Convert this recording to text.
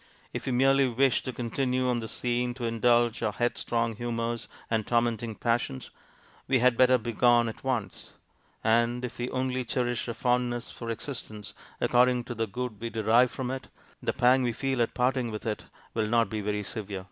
If we merely wish to continue on the scene to indulge our headstrong humours and tormenting passions, we had better begone at once; and if we only cherish a fondness for existence according to the good we derive from it, the pang we feel at parting with it will not be very severe!